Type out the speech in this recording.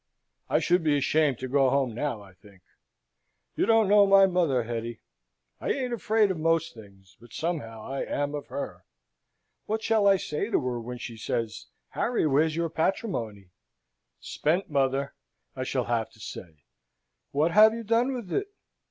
I should be ashamed to go home now, I think. You don't know my mother, Hetty. I ain't afraid of most things; but, somehow, I am of her. What shall I say to her, when she says, 'Harry, where's your patrimony?' 'Spent, mother,' I shall have to say. 'What have you done with it?'